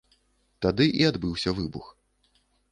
Тады і адбыўся выбух.